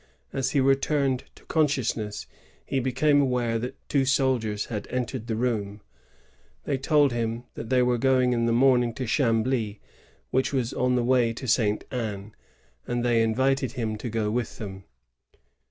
As he returned to consciousness, he became aware that two soldiers had entered the room. They told 262 THE MOHAWKS CHASTISED. [1666. him that they were going in the morning to Chambly, which was on the way to St Anne; and they invited him to go with them.